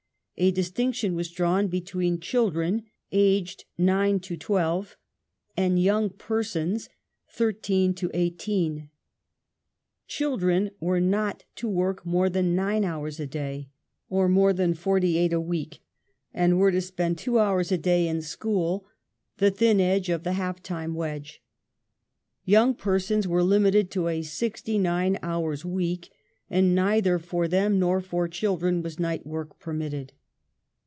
A distinction was drawn between " children " aged nine to twelve, and young pei*sons" (thirteen to eighteen). Children " were not to work more than nine hours a day, or more than forty eight a week, and were to spend two hours a day in 1833] SLAVERY ABOLISHED 107 school — the thin end of the " half time " wedge ;young persons " were Hmited to a sixty nine hours' week, and neither for them nor for children was night work pemiitted.